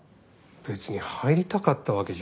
別に入りたかったわけじゃ。